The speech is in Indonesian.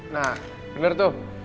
nah bener tuh